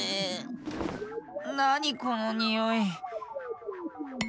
なにこのにおい？